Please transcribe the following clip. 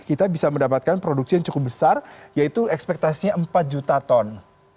kita bisa mendapatkan produksi yang cukup besar yaitu ekspektasinya empat juta ton